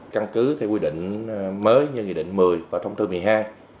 căn cứ theo quy định mới như nghị định một mươi và thông tư một mươi hai